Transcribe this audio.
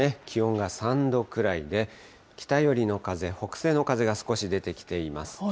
気温が３度くらいで、北寄りの風、北西の風が少し出てきています。